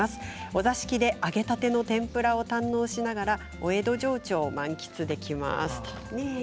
お座敷で揚げたての天ぷらを堪能しながらお江戸情緒を満喫できます。